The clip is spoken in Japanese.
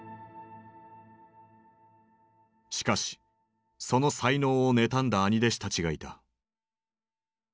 しかしその才能を妬んだ兄弟子たちがいた。